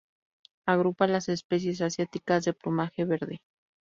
Agrupa las especies asiáticas de plumaje verde.